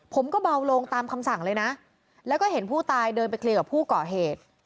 เบาลงตามคำสั่งเลยนะแล้วก็เห็นผู้ตายเดินไปเคลียร์กับผู้ก่อเหตุ